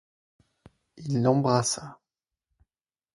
Il l'embrassa.